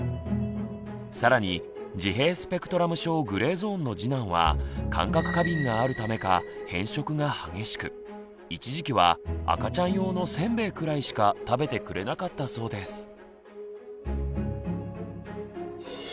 更に自閉スペクトラム症グレーゾーンの次男は感覚過敏があるためか偏食が激しく一時期は赤ちゃん用のせんべいくらいしか食べてくれなかったそうです。